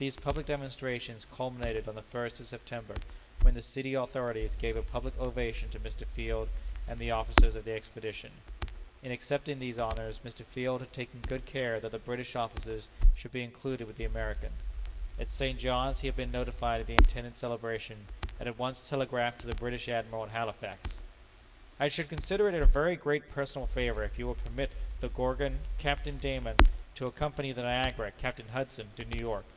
These public demonstrations culminated on the first of September, when the city authorities gave a public ovation to Mr. Field and the officers of the expedition. In accepting these honors, Mr. Field had taken good care that the British officers should be included with the American. At St. John's he had been notified of the intended celebration, and at once telegraphed to the British Admiral at Halifax: "I should consider it a very great personal favor if you would permit the Gorgon, Captain Dayman, to accompany the Niagara, Captain Hudson, to New York.